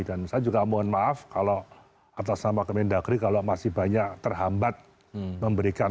dan saya juga mohon maaf kalau atas nama kemandagri kalau masih banyak terhambat memberikan akses